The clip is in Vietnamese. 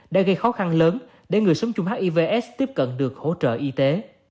đã gây khó khăn lớn để người sống chung hiv aids tiếp cận được hỗ trợ y tế